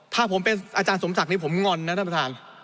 ถ้าผมเป็นอาจารย์สมศักดิ์ผมงอนนะท่านประธาน